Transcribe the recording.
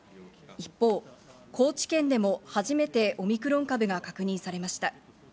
一方、高知県でも初めてオミクロン株が確認されました。